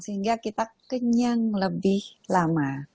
sehingga kita kenyang lebih lama